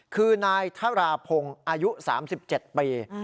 คือนายทราพงศ์อายุ๓๗ปี